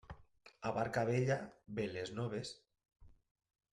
A barca vella, veles noves.